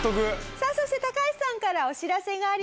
さあそして橋さんからお知らせがあります。